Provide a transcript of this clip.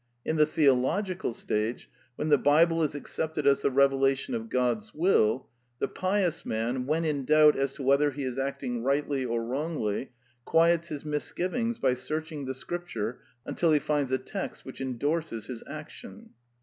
In the theological stage, when the Bible is accepted as the revelation of God's will, the pious man, when in doubt as to whether he is acting rightly or wrongly, quiets his misgivings by searching the Scripture until he finds a text which endorses his action.